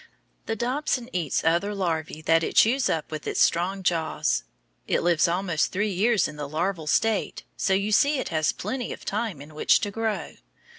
The dobson eats other larvæ that it chews up with its strong jaws. It lives almost three years in the larval state, so you see it has plenty of time in which to grow.